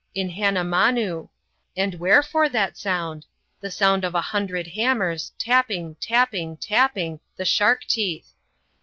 In Hannamanoo. And wherefore that soond? The sound of a hundred hammers Tapping, tapping, tappmg The shark teeth.